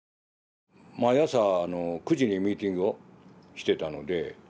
毎朝９時にミーティングをしてたので。